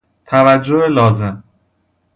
توجه لازم